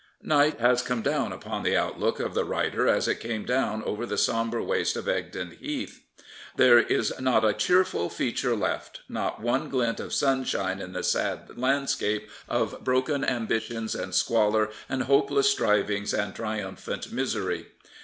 Night has come down upon the outlook of the writer as it came down over the sombre waste of Egdon Heath. There is not a cheerful feature left, not one glint of sunshine in the sad landscape of broken ambitions and squalor and hopeless strivings and 204 Thomas Hardy triumphant misery.